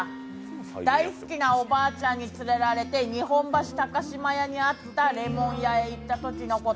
大好きなおばあちゃんに連れられて日本橋高島屋にあった檸檬屋へ行ったときのこと。